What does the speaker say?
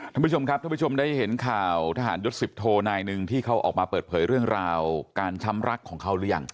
ท่านผู้ชมครับท่านผู้ชมได้เห็นข่าวทหารยศสิบโทนายหนึ่งที่เขาออกมาเปิดเผยเรื่องราวการช้ำรักของเขาหรือยัง